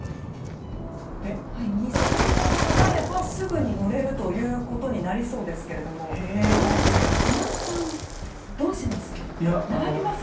２０００円を払えばすぐに乗れることになりそうですけれどもどうですか、小松さん並びます？